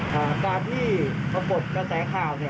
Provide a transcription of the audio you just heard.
สามารถที่พะพบแสงข้าว